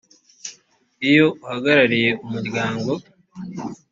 iyo uhagarariye umuryango